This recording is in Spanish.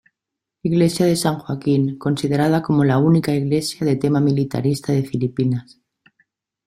Iglesia de San Joaquín, considerada como la única iglesia de tema militarista de Filipinas.